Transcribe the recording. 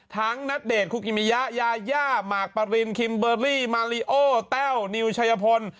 ณเดชนคุกิมิยะยาย่าหมากปรินคิมเบอร์รี่มาริโอแต้วนิวชัยพล